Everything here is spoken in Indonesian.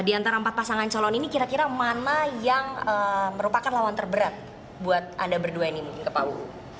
di antara empat pasangan calon ini kira kira mana yang merupakan lawan terberat buat anda berdua ini mungkin ke pak uu